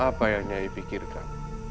apa yang nyai pikirkan